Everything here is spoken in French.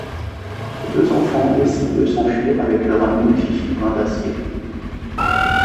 Les deux enfants décident de s'enfuir avec leur amie Fifi Brindacier.